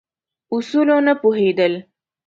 اصولو نه پوهېدل.